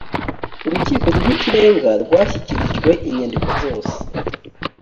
urukiko rw’ikirenga rwashyikirijwe inyandiko zose